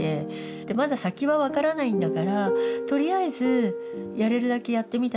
でまだ先は分からないんだからとりあえずやれるだけやってみたらいいんだ。